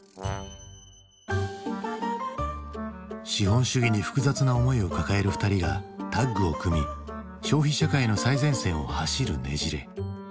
資本主義に複雑な思いを抱える２人がタッグを組み消費社会の最前線を走るねじれ。